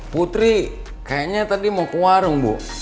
putri kayaknya tadi mau ke warung bu